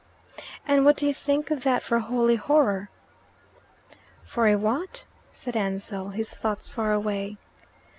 " And what do you think of that for a holy horror?" "For a what?" said Ansell, his thoughts far away.